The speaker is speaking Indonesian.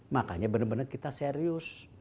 makanya benar benar kita serius